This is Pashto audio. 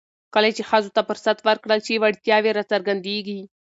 کله چې ښځو ته فرصت ورکړل شي، وړتیاوې راڅرګندېږي.